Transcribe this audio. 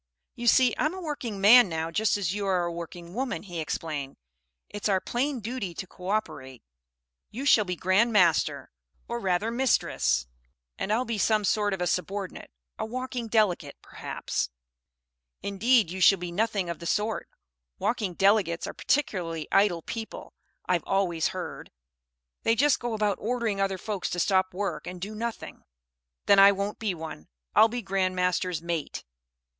"You see I'm a working man now just as you are a working woman," he explained. "It's our plain duty to co operate. You shall be Grand Master or rather Mistress and I'll be some sort of a subordinate, a Walking Delegate, perhaps." "Indeed, you shall be nothing of the sort. Walking Delegates are particularly idle people, I've always heard. They just go about ordering other folks to stop work and do nothing." "Then I won't be one. I'll be Grand Master's Mate."